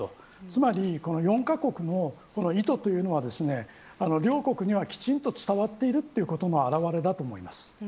つまり、この４カ国の意図というのは両国にはきちんと伝わっているということの現れだと思います。